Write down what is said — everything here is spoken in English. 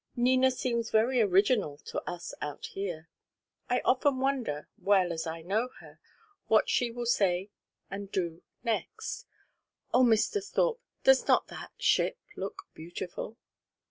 Nina seems very original to us out here. I often wonder, well as I know her, what she will say and do next. Oh, Mr. Thorpe, does not that ship look beautiful?"